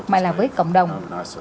mà là với cộng đồng